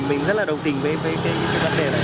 mình rất là đồng tình với vấn đề này